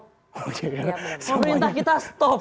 pemerintah kita stop